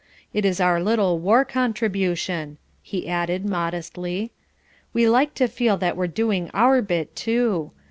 It is our little war contribution," he added modestly. "We like to feel that we're doing our bit, too.